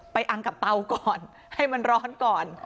อังกับเตาก่อนให้มันร้อนก่อน